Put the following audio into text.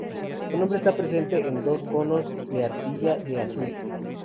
Su nombre está presente en dos conos de arcilla de Assur.